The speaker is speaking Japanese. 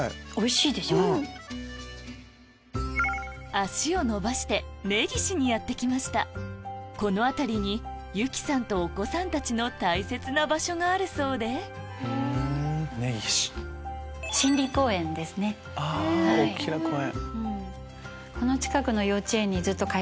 足を延ばして根岸にやって来ましたこの辺りに由貴さんとお子さんたちの大切な場所があるそうで大っきな公園！